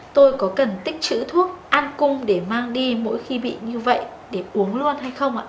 tôi có cần tích chữ thuốc an cung để mang đi mỗi khi bị như vậy để uống luôn hay không ạ